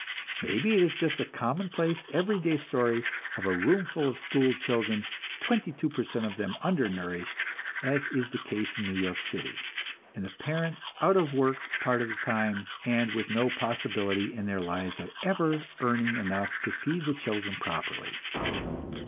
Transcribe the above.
Maybe it is just a commonplace, every day story of a room full of school children, 22 per cent of them undernourished, as is the case in New York City, and the parents out of work a part of the time, and with no possibility in their lives of ever earning enough to feed the children properly.